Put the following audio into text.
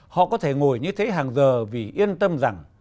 họ có thể ngồi như thế hàng giờ vì yên tâm rằng